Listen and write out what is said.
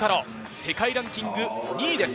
世界ランキング２位です。